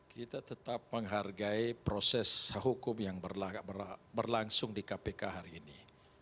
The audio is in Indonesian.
kita tetap menghargai proses hukum yang berlangsung di kpk hari ini